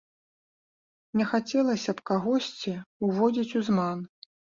Не хацелася б кагосьці ўводзіць у зман.